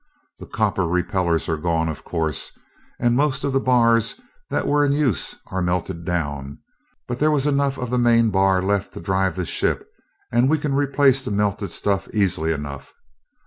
The copper repellers are gone, of course, and most of the bars that were in use are melted down, but there was enough of the main bar left to drive the ship and we can replace the melted stuff easily enough.